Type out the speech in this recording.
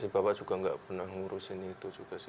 bapak juga nggak pernah ngurusin itu juga sih